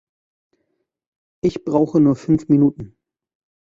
Ich brauche nur fünf Minuten.